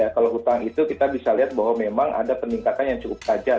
kalau hutang itu kita bisa lihat bahwa memang ada peningkatan yang cukup tajam